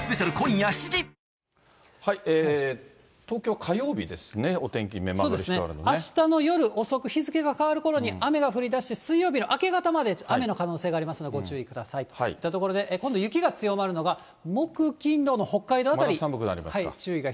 東京は火曜日ですね、お天気、あしたの夜遅く、日付が変わるころに雨が降りだし、水曜日の明け方まで、雨の可能性がありますのでご注意ください。といったところで、今度雪が強まるのが、木、金、また寒くなりますか。